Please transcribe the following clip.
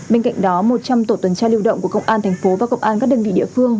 bên cạnh đó một trăm linh tổ tuần tra lưu động của công an thành phố và công an các đơn vị địa phương